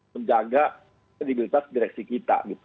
menjaga kredibilitas direksi kita